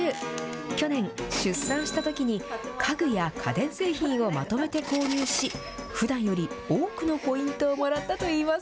去年、出産したときに、家具や家電製品をまとめて購入し、ふだんより多くのポイントをもらったといいます。